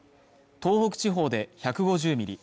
東北地方で１５０ミリ